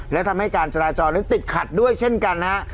และทำให้การจราจรนั้นติดขัดด้วยเช่นกันนะฮะ